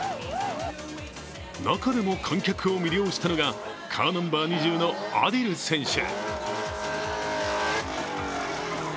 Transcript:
中でも観客を魅了したのがカーナンバー２０のアディル選手。